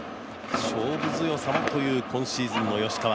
勝負強さもという、今シーズンの吉川。